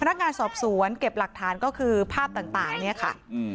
นักงานสอบสวนเก็บหลักฐานก็คือภาพต่างเนี่ยค่ะ